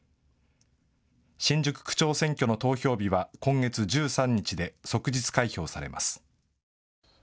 新宿区長選挙の投票日は今月１３日で即日開票されます。